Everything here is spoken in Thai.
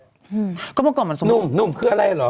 อืมก็เมื่อก่อนมันสมหนุ่มหนุ่มคืออะไรเหรอ